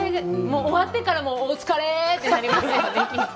終わってからも、お疲れってなりますよね、きっと。